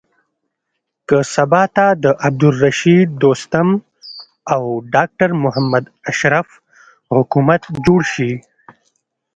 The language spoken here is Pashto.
که سبا ته د عبدالرشيد دوستم او ډاکټر محمد اشرف حکومت جوړ شي.